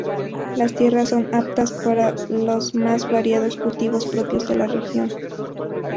Las tierras son aptas, para los más variados cultivos propios de la región.